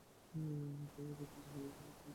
তাই ওদের কাছে সেজন্য আমি খুবই কৃতজ্ঞ!